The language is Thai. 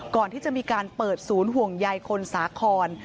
ก่อนที่จะมีการเปิดศูนย์ห่วงใยคนสาคร